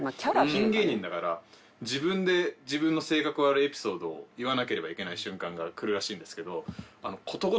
ピン芸人だから自分で自分の性格悪いエピソードを言わなければいけない瞬間が来るらしいんですけど。